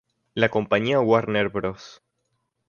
La compañía Warner Bros.